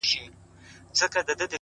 د هر وجود نه راوتلې د روح لاره سوې!!